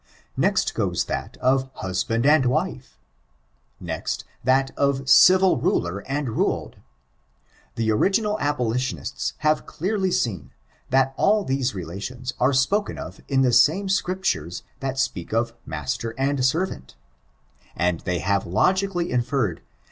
f^ext goes that ot husband and wife. Next, that of civil ruler and ruled. The original abolitionists have clearly seen, that all these relations are spoken of in the same Scriptures that speak of master and servant; and they have logically inferred